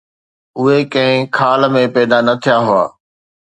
اهي ڪنهن خال ۾ پيدا نه ٿيا هئا.